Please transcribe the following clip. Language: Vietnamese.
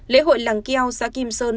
lễ hội làng keo xã kim sơn